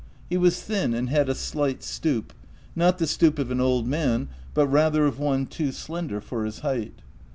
He was thin, and had a slight stoop — not the stoop of an old man, but rather of one too slender for his height.